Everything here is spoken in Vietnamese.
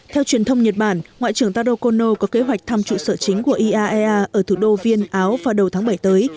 theo truyền thông nhật bản ngoại trưởng taro kono có kế hoạch thăm trụ sở chính của iaea ở thủ đô viên áo vào đầu tháng bảy tới